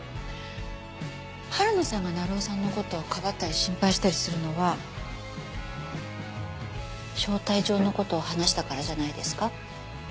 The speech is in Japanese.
はるなさんが鳴尾さんの事をかばったり心配したりするのは招待状の事を話したからじゃないですか？